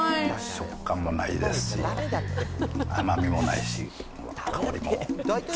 食感もないですし、甘みもないし、香りも。